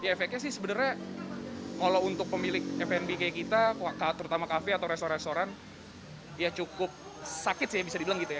ya efeknya sih sebenarnya kalau untuk pemilik fndbg kita terutama kafe atau restoran restoran ya cukup sakit sih bisa dibilang gitu ya